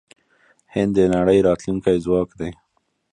هند د نړۍ راتلونکی ځواک دی.